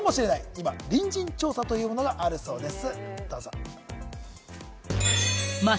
今、隣人調査というものがあるそうです。